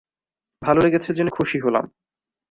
ভালো লেগেছে জেনে খুশি হলাম।